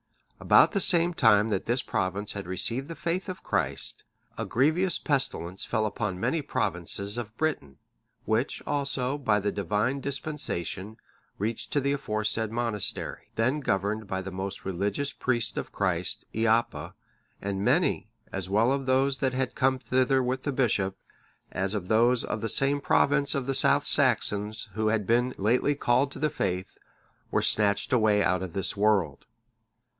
About the same time that this province had received the faith of Christ, a grievous pestilence fell upon many provinces of Britain; which, also, by the Divine dispensation, reached to the aforesaid monastery, then governed by the most religious priest of Christ, Eappa;(627) and many, as well of those that had come thither with the bishop, as of those of the same province of the South Saxons who had been lately called to the faith, were snatched away out of this world.